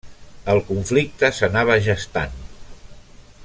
El conflicte s'anava gestant.